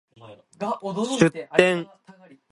出店